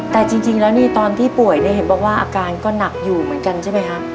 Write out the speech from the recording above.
แต่จริงแล้วนี่ตอนที่ป่วยเนี่ยเห็นบอกว่าอาการก็หนักอยู่เหมือนกันใช่ไหมฮะ